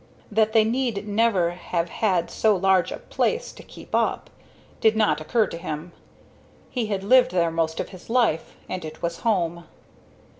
That they need never have had so large a "place" to "keep up" did not occur to him. He had lived there most of his life, and it was home.